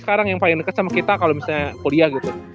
sekarang yang paling dekat sama kita kalau misalnya kuliah gitu